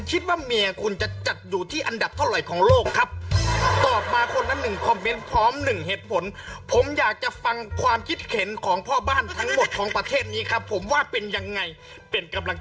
ใช่ไม่ใช่น้องเป็นปากกาพัดลมแล้วก็ปืนเพราะคือเป็นแฟนกัน